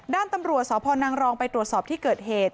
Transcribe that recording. ด้านตำรวจสพนังรองไปตรวจสอบที่เกิดเหตุ